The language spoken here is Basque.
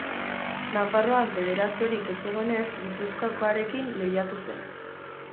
Nafarroan federaziorik ez zegoenez, Gipuzkoakoarekin lehiatu zen.